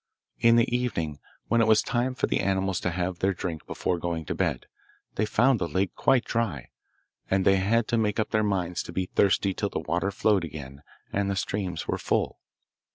In the evening, when it was time for the animals to have their drink before going to bed, they found the lake quite dry, and they had to make up their minds to be thirsty till the water flowed again and the streams were full.